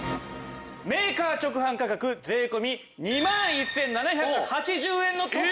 メーカー直販価格税込２万１７８０円のところをなんと！